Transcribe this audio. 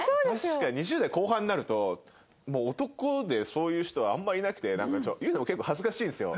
確かに２０代後半になるともう男でそういう人はあんまりいなくてなんかちょっと言うのも結構恥ずかしいんですよ。